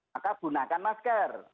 maka gunakan masker